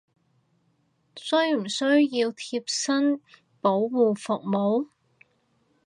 需唔需要貼身保護服務！？